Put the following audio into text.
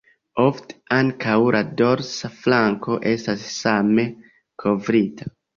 Ofte ankaŭ la dorsa flanko estas same kovrita.